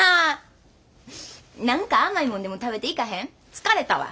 疲れたわ。